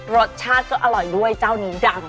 รสชาติก็อร่อยด้วยเจ้านี้ดัง